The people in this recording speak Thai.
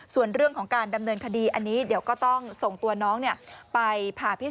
ส่วนเรื่องของการดำเนินคดีอันนี้